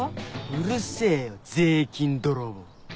うるせぇよ税金泥棒。